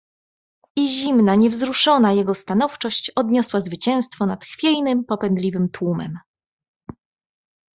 "I zimna, niewzruszona jego stanowczość odniosła zwycięstwo nad chwiejnym, popędliwym tłumem."